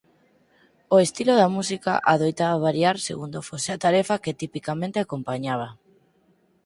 O estilo da música adoitaba variar segundo fose a tarefa á que tipicamente acompañaba.